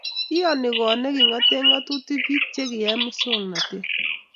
Iyanii kot ne kingatee ng'atutik biik chekiyai masongnatet